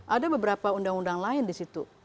ada beberapa undang undang lain di situ